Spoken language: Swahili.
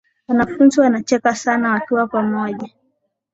Wanafunzi wanacheka sana wakiwa pamoja